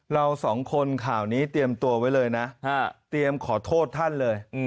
เราสองคนข่าวนี้เตรียมตัวไว้เลยนะเตรียมขอโทษท่านเลย